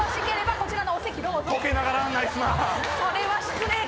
これは失礼か。